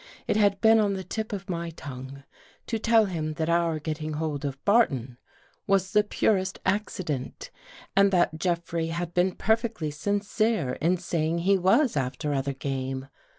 It had been on the tip of my tongue to tell him that our getting hold of Barton was the purest accident and that Jeffrey had been perfectly sincere in saying he was' after other game.